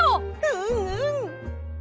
うんうん！